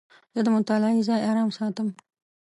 زه د مطالعې ځای آرام ساتم.